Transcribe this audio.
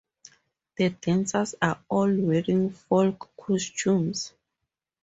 The dancers are all wearing Folk costumes.